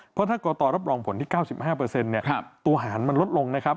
เพราะถ้ากตรรับรองผลที่๙๕ตัวหารมันลดลงนะครับ